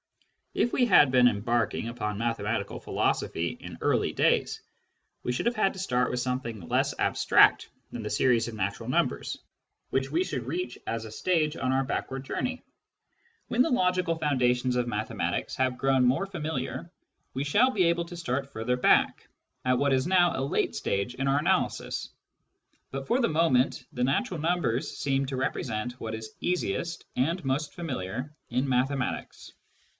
If we had been embarking upon mathematical philosophy in earlier days, we should have had to start with something less abstract than the series of natural numbers, which we should reach as a stage on our backward journey. When the logical foundations of mathe matics have grown more familiar, we shall be able to start further back, at what is now a late stage in our analysis. But for the moment the natural numbers seem to represent what is easiest and most familiar in mathematics.